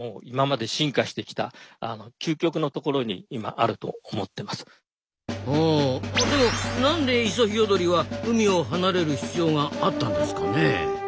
あでも何でイソヒヨドリは海を離れる必要があったんですかね？